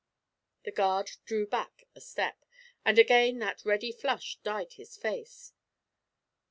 The guard drew back a step, and again that ready flush dyed his face.